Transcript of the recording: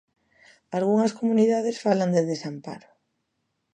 Algunhas comunidades falan de desamparo.